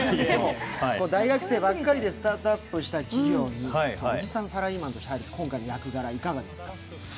大学生ばっかりでスタートアップした企業におじさんサラリーマンとして入る今回の役柄、いかがですか？